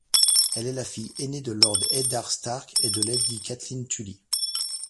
Elle est la fille aînée de lord Eddard Stark et de lady Catelyn Tully.